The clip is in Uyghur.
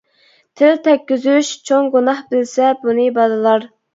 تىل تەگكۈزۈش چوڭ گۇناھ بىلسە بۇنى بالىلار.